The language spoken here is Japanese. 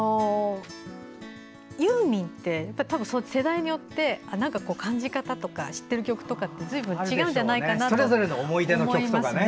ユーミンって、世代によって感じ方とか知っている曲とかずいぶん違うんじゃないかなと思いますね。